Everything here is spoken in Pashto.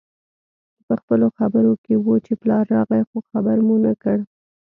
پخپلو خبرو کې وو چې پلار راغی خو خبر مو نه کړ